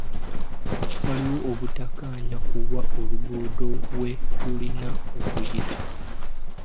Waliwo obutakkaanya ku wa oluguudo we lulina okuyita.